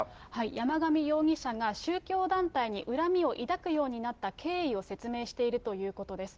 山上容疑者が宗教団体に恨みを抱くようになった経緯を説明しているということです。